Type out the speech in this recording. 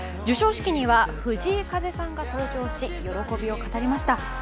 授賞式には藤井風さんが登場し、喜びを語りました。